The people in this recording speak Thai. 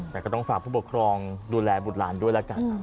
แต่ก็ต้องฝากผู้ปกครองดูแลบุตรหลานด้วยแล้วกัน